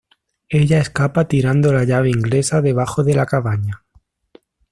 Ella escapa tirando la llave inglesa debajo de la cabaña.